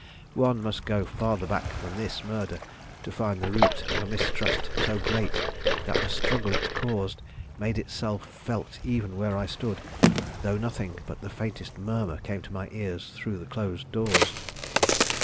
One must go farther back than this murder to find the root of a mistrust so great that the struggle it caused made itself felt even where I stood, though nothing but the faintest murmur came to my ears through the closed doors.